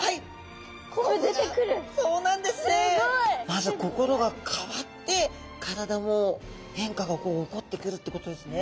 まず心が変わって体も変化がこう起こってくるってことですね。